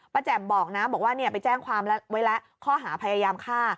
แจ่มบอกนะบอกว่าไปแจ้งความไว้แล้วข้อหาพยายามฆ่า